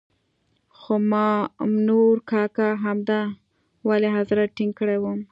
خو مامنور کاکا همدا ولي حضرت ټینګ کړی وو.